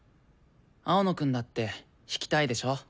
青野くんだって弾きたいでしょ？